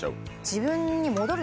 自分に。